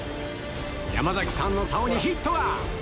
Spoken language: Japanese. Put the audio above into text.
山さんの竿にヒットが！